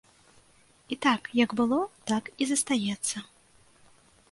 І так, як было, так і застаецца.